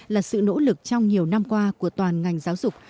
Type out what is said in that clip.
là sự nỗ lực trong nhiều năm qua của toàn ngành giáo dục